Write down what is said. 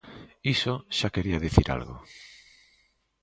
Iso xa quería dicir algo.